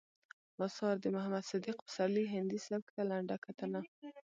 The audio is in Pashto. اثار، د محمد صديق پسرلي هندي سبک ته لنډه کتنه